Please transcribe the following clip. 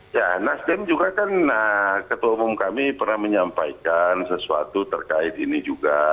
ya nasdem juga kan ketua umum kami pernah menyampaikan sesuatu terkait ini juga